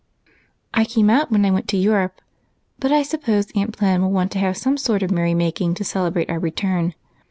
"I came out when I went to Europe, but I suppose Aunty Plen will want to have some sort of merry making to celebrate our return.